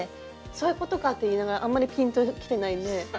そういうことかと言いながらあんまりピンときてないね。